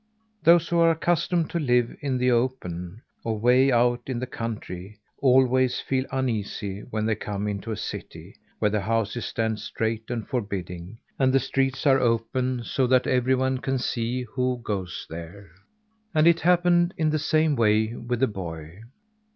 Those who are accustomed to live in the open or way out in the country always feel uneasy when they come into a city, where the houses stand straight and forbidding, and the streets are open, so that everyone can see who goes there. And it happened in the same way with the boy.